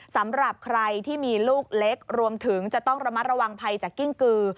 สำหรับใครที่มีลูกเล็กรวมถึงจะต้องระมัดระวังภัยจากกิ้งกือ